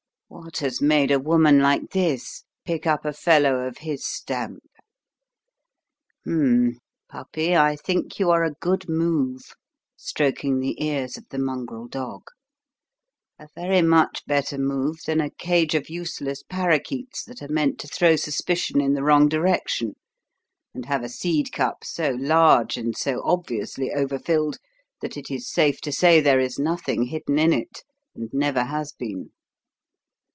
What has made a woman like this pick up a fellow of his stamp? Hum m m! Puppy, I think you are a good move," stroking the ears of the mongrel dog; "a very much better move than a cage of useless parakeets that are meant to throw suspicion in the wrong direction and have a seed cup so large and so obviously overfilled that it is safe to say there is nothing hidden in it and never has been!